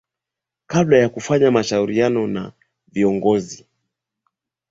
kabla ya kufanya mashauriano na viongozi